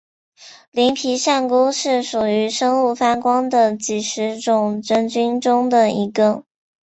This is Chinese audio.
鳞皮扇菇是属于生物发光的几十种真菌中的一个。